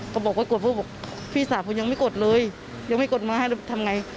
ก็บอกว่ากดพี่สาวผมยังไม่กดเลยยังไม่กดมาให้ทำไง